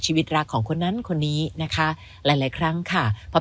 ชีวิตรักของคนนั้นคนนี้นะคะหลายครั้งค่ะพอ